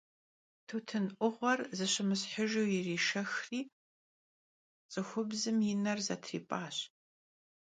Tutın 'uğuer zışımıshıjju yirişşexri, ts'ıxubzım yi ner zetrip'aş.